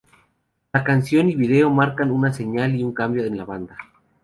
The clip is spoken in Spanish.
La canción y video marcan una señal y un cambio en la banda.